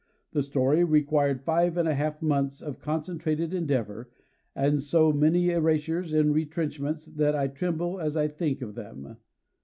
The story required five and a half months of concentrated endeavor, with so many erasures and retrenchments that I tremble as I think of them.